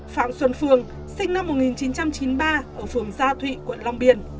phạm xuân phương sinh năm một nghìn chín trăm chín mươi ba ở phường gia thụy quận long biên